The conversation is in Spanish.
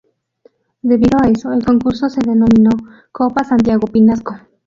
Debido a eso, el concurso se denominó Copa Santiago Pinasco.